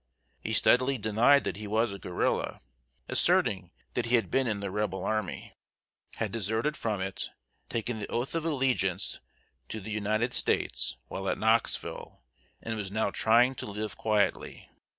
He steadily denied that he was a guerrilla, asserting that he had been in the Rebel army, had deserted from it, taken the oath of allegiance to the United States while at Knoxville, and was now trying to live quietly.